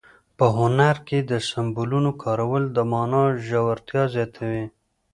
په هنر کې د سمبولونو کارول د مانا ژورتیا زیاتوي.